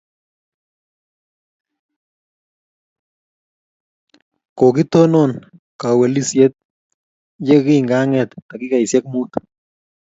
Kokitonon kawelisyet ye kingang'et takigaisyek muutu.